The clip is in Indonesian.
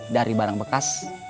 dari barang bekas